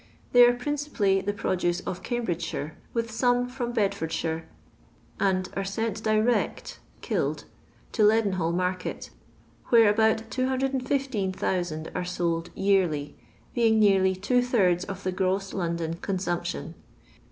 They ore princi|)ally the produce of Cambridgeshire, with some from Bed lordshire, and are sent direct (killed) to Lenden ball market, where about 215,000 are sold ycaily, being nearly two thirds of the gross London con sumption.